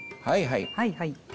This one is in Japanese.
はいはい。